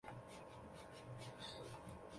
它们能在任何时间繁殖。